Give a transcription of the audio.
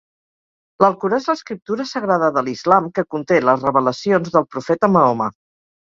L'Alcorà és l'escriptura sagrada de l'Islam que conté les revelacions del profeta Mahoma.